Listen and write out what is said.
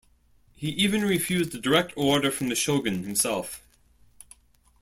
He even refused a direct order from the Shogun himself.